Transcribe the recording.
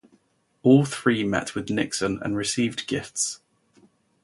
All three met with Nixon and received gifts.